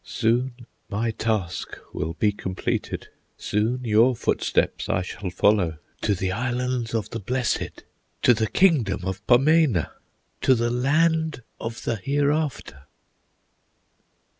Soon my task will be completed, Soon your footsteps I shall follow To the Islands of the Blessed, To the Kingdom of Ponemah, To the Land of the Hereafter!"